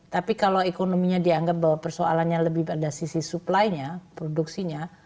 tapi kalau ekonominya dianggap bahwa persoalannya lebih pada sisi supply nya produksinya